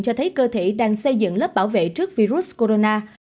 cho thấy cơ thể đang xây dựng lớp bảo vệ trước virus corona